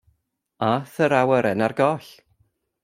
A'th yr awyren ar goll.